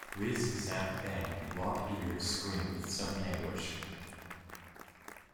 Whiz-zip-bang. Lop-Ear screamed with sudden anguish.